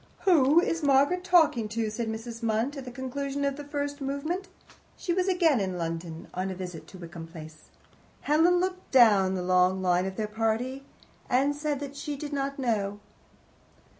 "Who is Margaret talking to?" said Mrs. Munt, at the conclusion of the first movement. She was again in London on a visit to Wickham Place. Helen looked down the long line of their party, and said that she did not know.